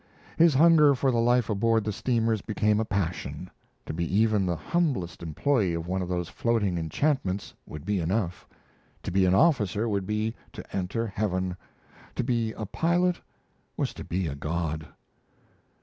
His hunger for the life aboard the steamers became a passion. To be even the humblest employee of one of those floating enchantments would be enough; to be an officer would be to enter heaven; to be a pilot was to be a god.